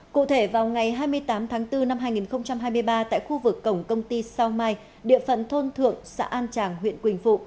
cụ thể vào ngày hai mươi tám tháng bốn năm hai nghìn hai mươi ba tại khu vực cổng công ty sao mai địa phận thôn thượng xã an tràng huyện quỳnh phụ